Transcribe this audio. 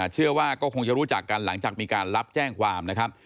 เชื่อว่าก็คงจะรู้จักกันหลังจากมีการรับแจ้งความนะครับ